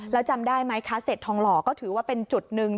แล้วจำได้ไหมคะเศษทองหล่อก็ถือว่าเป็นจุดหนึ่ง